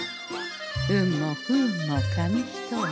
運も不運も紙一重。